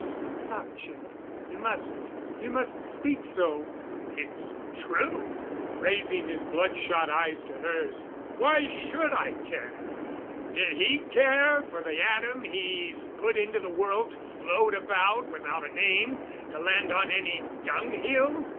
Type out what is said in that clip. "Stop, Jeff, you mustn't—you mustn't speak so." "It's true," raising his bloodshot eyes to hers. "Why should I care? Did he care for the atom he's put into the world to float about without a name to land on any dung hill?